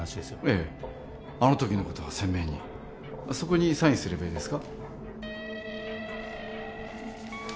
ええあのときのことは鮮明にそこにサインすればいいですか？